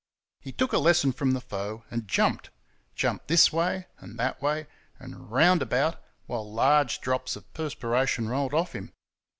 He took a lesson from the foe and jumped jumped this way and that way, and round about, while large drops of perspiration rolled off him.